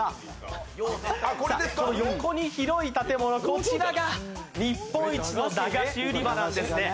横に広い建物、こちらが日本一のだがし売場なんですね。